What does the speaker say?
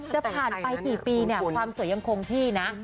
จะผ่านไปกี่ปีเนี่ยความสวยยังคงที่นะ